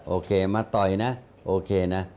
โอเคมาต่อยนะโอเคนะ